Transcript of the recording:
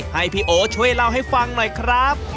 ให้พี่โอช่วยเล่าให้ฟังหน่อยครับ